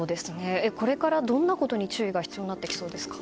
これからどんなことに注意が必要になってきそうですか。